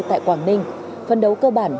tại quảng ninh phân đấu cơ bản